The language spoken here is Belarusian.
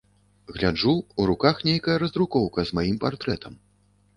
Гляджу, у руках нейкая раздрукоўка з маім партрэтам.